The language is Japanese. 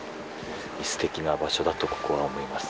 すてきな場所だとここは思います。